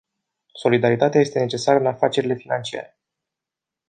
Solidaritatea este necesară în afacerile financiare.